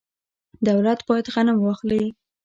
دولت باید غنم واخلي.